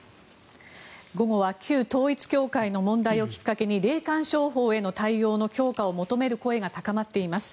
午後は旧統一教会の問題をきっかけに霊感商法への対応の強化を求める声が高まっています。